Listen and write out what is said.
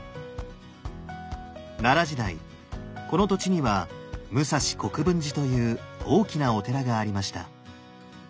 奈良時代この土地には武蔵国分寺という大きなお寺がありました。